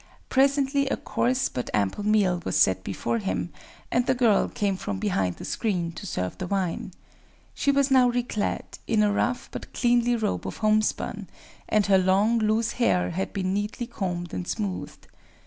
Presently a coarse but ample meal was set before him; and the girl came from behind the screen, to serve the wine. She was now reclad, in a rough but cleanly robe of homespun; and her long, loose hair had been neatly combed and smoothed.